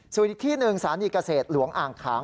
ส่วนอีกที่หนึ่งสถานีเกษตรหลวงอ่างขาง